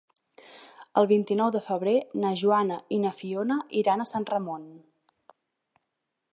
El vint-i-nou de febrer na Joana i na Fiona iran a Sant Ramon.